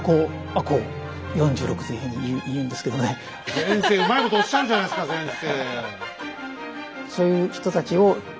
先生うまいことおっしゃるじゃないですか先生！